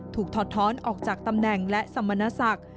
ถอดท้อนออกจากตำแหน่งและสมณศักดิ์